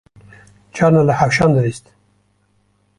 Carna li hewşan dilîst